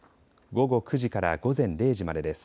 午後９時から午前０時までです。